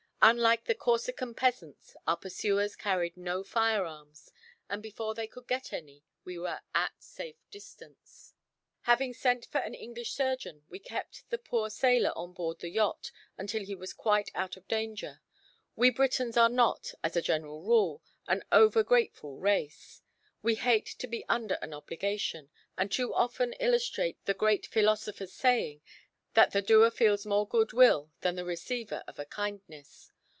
Unlike the Corsican peasants, our pursuers carried no fire arms, and before they could get any, we were at safe distance. Having sent for an English surgeon, we kept the poor sailor on board the yacht, until he was quite out of danger. We Britons are not, as a general rule, an over grateful race; we hate to be under an obligation, and too often illustrate the great philosopher's saying, that the doer feels more good will than the receiver of a kindness.